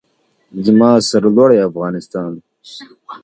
زما سرلوړی افغانستان.